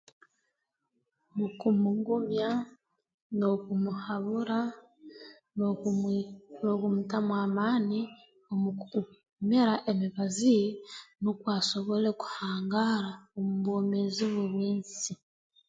Mu kumugumyaa n'okumuhabura n'okumwi n'okumutamu amaani omukumira emibazi ye nukwo asobole kuhangaara omu bwomeezi bwe bw'ensi